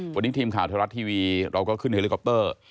วันนี้ทีมข่าวไทยรัฐทีวีเราก็ขึ้นเฮลิคอปเตอร์